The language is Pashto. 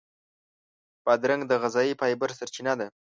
بادرنګ د غذایي فایبر سرچینه ده.